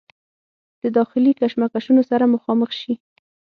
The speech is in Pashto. د داخلي کشمکشونو سره مخامخ شي